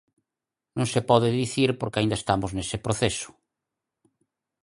Non se pode dicir porque aínda estamos nese proceso.